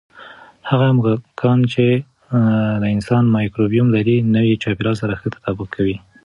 هغه موږکان چې د انسان مایکروبیوم لري، نوي چاپېریال سره ښه تطابق کوي.